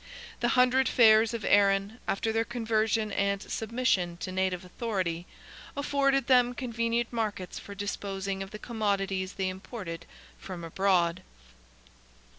The hundred fairs of Erin—after their conversion and submission to native authority—afforded them convenient markets for disposing of the commodities they imported from abroad.